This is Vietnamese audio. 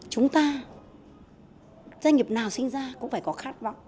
chúng ta doanh nghiệp nào sinh ra cũng phải có khát vọng